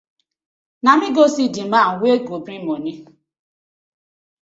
Na me go see di man wey go bring moni.